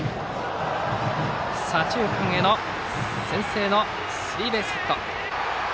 左中間への先制のスリーベースヒット。